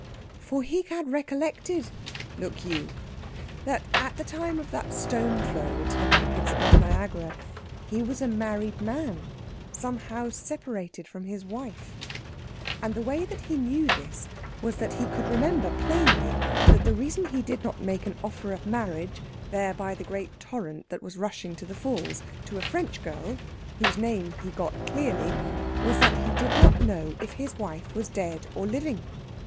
For he had recollected, look you, that at the time of that stone throw into the rapids above Niagara he was a married man somehow separated from his wife. And the way that he knew this was that he could remember plainly that the reason he did not make an offer of marriage, there by the great torrent that was rushing to the Falls, to a French girl (whose name he got clearly) was that he did not know if his wife was dead or living.